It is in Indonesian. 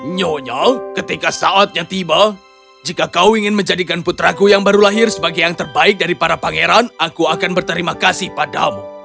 nyonya ketika saatnya tiba jika kau ingin menjadikan putraku yang baru lahir sebagai yang terbaik dari para pangeran aku akan berterima kasih padamu